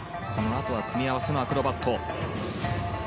組み合わせのアクロバット。